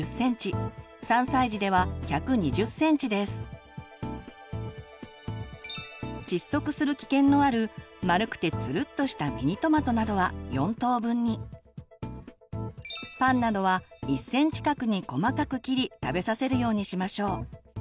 目安は窒息する危険のある丸くてつるっとしたミニトマトなどは４等分にパンなどは１ｃｍ角に細かく切り食べさせるようにしましょう。